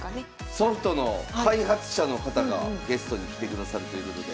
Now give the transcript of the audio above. ソフトの開発者の方がゲストに来てくださるということで。